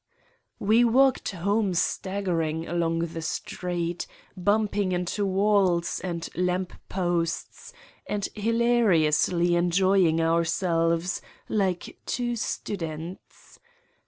We walked home staggering along the street, bumping into walls and lampposts and hilari ously enjoying ourselves like two students.